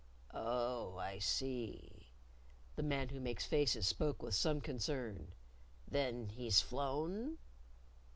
"Oh, I see." The Man Who Makes Faces spoke with some concern. "Then he's flown?"